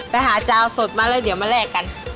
ไปหาเจ้าสดมาแล้วเดี๋ยวมาแลกกัน